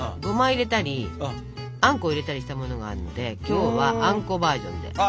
ごまを入れたりあんこを入れたりしたものがあるので今日はあんこバージョンで。